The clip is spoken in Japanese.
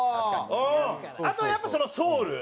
あとやっぱそのソウル。